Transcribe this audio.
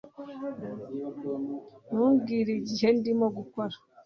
Ntumbwire igihe ndimo gukora